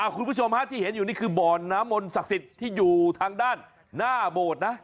คุณผู้ชมที่เห็นอยู่นี่คือบ่อนน้ำมนต์ศักดิ์สิทธิ์ที่อยู่ทางด้านหน้าโบสถ์นะ